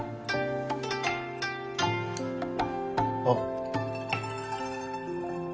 あっ。